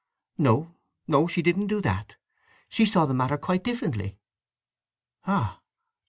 "No… No, she didn't do that. She saw the matter quite differently." "Ah!